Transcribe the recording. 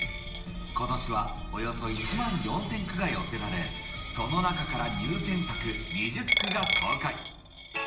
ことしはおよそ１万４０００句が寄せられ、その中から入選作２０句が公開。